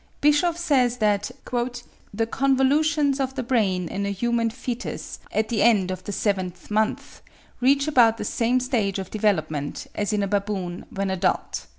Bischoff says that "the convolutions of the brain in a human foetus at the end of the seventh month reach about the same stage of development as in a baboon when adult."